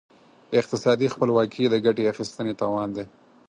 اقتصادي خپلواکي د ګټې اخیستنې توان دی.